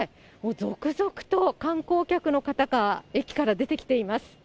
続々と観光客の方が駅から出てきています。